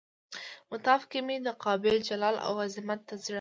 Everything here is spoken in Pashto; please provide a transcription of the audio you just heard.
مطاف کې مې د کعبې جلال او عظمت ته زړه.